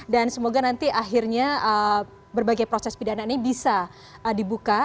dan semoga nanti akhirnya berbagai proses pidana ini bisa dibuka